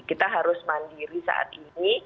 kita harus mandiri saat ini